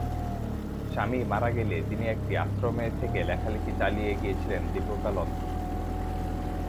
স্বামী মারা গেলে তিনি একটি আশ্রমে থেকে লেখালিখি চালিয়ে গিয়েছিলেন দীর্ঘকাল অবধি।